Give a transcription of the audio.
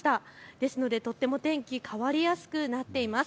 ですのでとっても天気変わりやすくなっています。